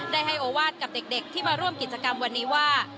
ได้ให้โอวาสกับเด็กที่มาร่วมกิจกรรมวันนี้ว่า